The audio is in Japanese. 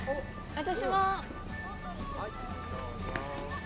私も。